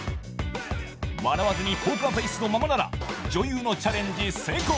笑わずにポーカーフェイスのままなら女優のチャレンジ成功。